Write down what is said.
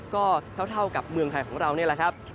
ก็เท่ากับเมืองไทยของเรานี่แหละครับ